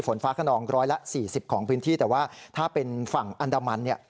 ฝนฟ้าขนองร้อยละ๔๐ของพื้นที่แต่ว่าถ้าเป็นฝั่งอันดามันเนี่ย